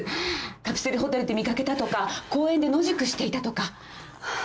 カプセルホテルで見掛けたとか公園で野宿していたとか。